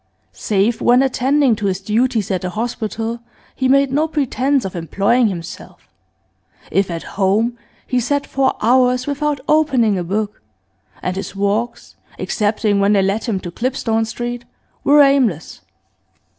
Save when attending to his duties at the hospital, he made no pretence of employing himself; if at home, he sat for hours without opening a book, and his walks, excepting when they led him to Clipstone Street, were aimless.